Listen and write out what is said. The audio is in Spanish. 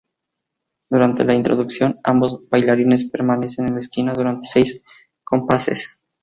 Durante la introducción, ambos bailarines permanecen en la esquina durante seis compases.